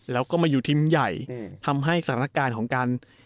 แล้วก็มาอยู่ทีมใหญ่ทำให้สถานการณ์ของการ